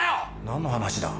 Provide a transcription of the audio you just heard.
何の話だ？